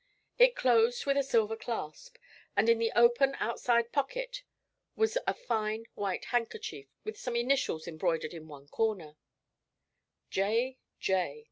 It closed with a silver clasp, and in the open outside pocket was a fine white handkerchief with some initials embroidered in one corner. 'J. J.